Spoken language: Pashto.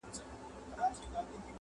چي مازیګر په ښایسته کیږي.!